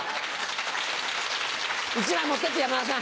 １枚持ってって山田さん。